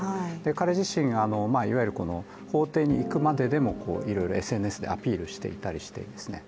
彼自身、いわゆる法廷に行くまででも、いろいろＳＮＳでアピールしていたりしていますね。